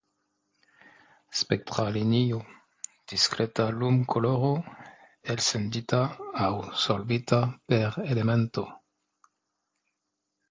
Spektra Linio: Diskreta lumkoloro elsendita aŭ sorbita per elemento.